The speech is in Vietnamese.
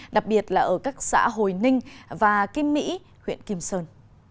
đặc biệt là ở các xã hồi ninh và kim mỹ huyện kim sơn